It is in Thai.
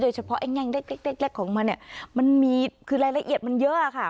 เฉพาะไอ้แง่งเล็กของมันเนี่ยมันมีคือรายละเอียดมันเยอะค่ะ